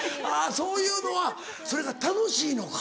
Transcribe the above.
そういうのはそれが楽しいのか。